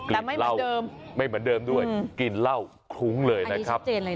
แต่ไม่เหมือนเดิมไม่เหมือนเดิมด้วยกลิ่นเหล้าคุ้งเลยนะครับ